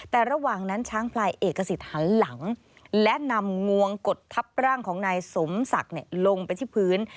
แต่ระหว่างนั้นช้างพลายเอกสิทธิ์หันหลังและนำงวงกดทับร่างของนายสมศักดิ์ลงไปที่พื้น